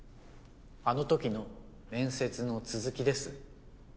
あのときの面接の続きです。